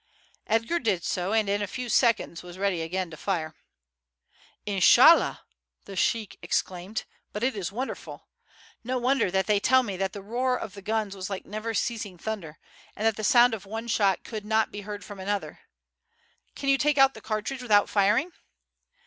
Edgar did so, and in a few seconds was again ready to fire. "Inshallah!" the sheik exclaimed, "but it is wonderful. No wonder that they tell me that the roar of the guns was like never ceasing thunder, and that the sound of one shot could not be heard from another. Can you take out the cartridge without firing?"